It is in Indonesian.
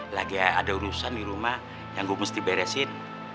lagi ada urusan di rumah yang gue mesti beresin